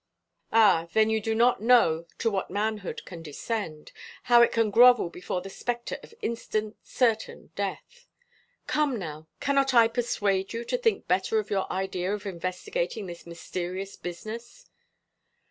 "Ah, then you do not know to what manhood can descend how it can grovel before the spectre of instant, certain death. Come now, cannot I persuade you to think better of your idea of investigating this mysterious business?"